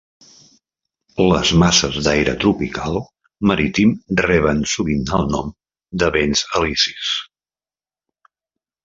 Les masses d'aire tropical marítim reben sovint el nom de vents alisis.